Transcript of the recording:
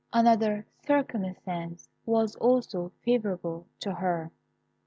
Another circumstance was also favourable to her.